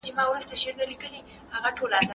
پښتنو پکښي بند نه سی صیاد ایښی درته دام دی